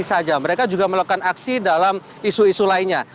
tapi mereka juga melakukan aksi pada isu isu lainnya